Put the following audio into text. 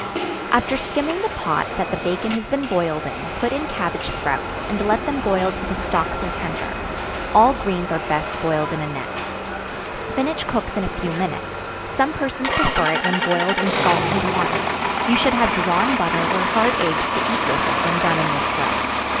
After skimming the pot that the bacon has been boiled in, put in cabbage sprouts, and let them boil till the stalks are tender; all greens are best boiled in a net. Spinach cooks in a few minutes; some persons prefer it when boiled in salt and water; you should have drawn butter or hard eggs to eat with it when done in this way.